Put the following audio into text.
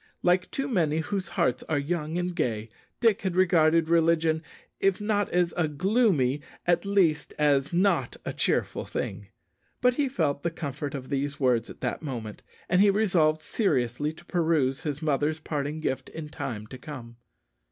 Like too many whose hearts are young and gay, Dick had regarded religion, if not as a gloomy, at least as not a cheerful thing. But he felt the comfort of these words at that moment, and he resolved seriously to peruse his mother's parting gift in time to come.